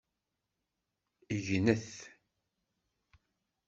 Gnet!